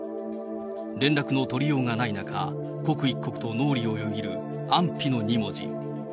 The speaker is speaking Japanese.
連絡の取りようがない中、刻一刻と脳裏をよぎる安否の二文字。